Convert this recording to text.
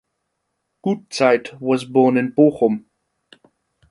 Gutzeit was born in Bochum.